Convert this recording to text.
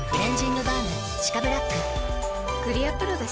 クリアプロだＣ。